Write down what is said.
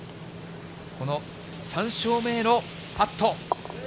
この３勝目へのパット。